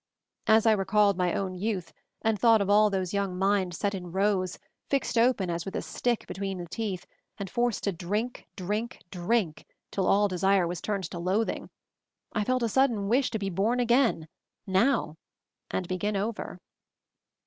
As I re called my own youth, and thought of all those young minds set in rows, fixed open as with a stick between the teeth, and forced to drink, drink, drink till all desire was turned to loathing, I felt a sudden wish to be born again — now! — and begin over.